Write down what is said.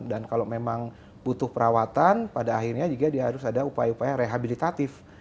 dan kalau memang butuh perawatan pada akhirnya juga dia harus ada upaya upaya rehabilitatif